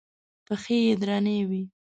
پښې یې درنې وې.